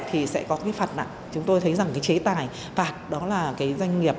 thì sẽ có phạt nặng chúng tôi thấy rằng chế tài phạt đó là doanh nghiệp